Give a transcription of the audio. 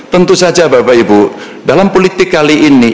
tentu saja bapak ibu dalam politik kali ini